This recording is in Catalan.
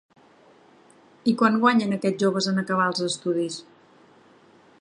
I quant guanyen aquests joves en acabar els estudis?